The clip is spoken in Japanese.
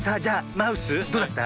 マウスどうだった？